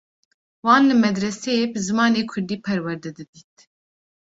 Wan li medreseyê bi zimanê Kurdî perwerde didît.